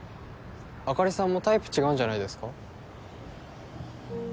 あかりさんもタイプ違うんじゃないですか？